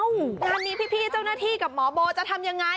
งานนี้พี่เจ้าหน้าที่กับหมอโบจะทำยังไง